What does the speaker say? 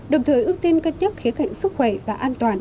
đồng thời ước tin cất nhất khía cạnh sức khỏe và an toàn